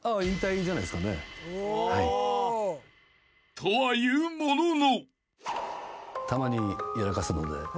［とはいうものの］